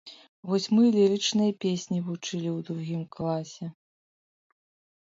Вось мы лірычныя песні вучылі ў другім класе.